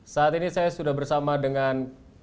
saat ini saya sudah bersama dengan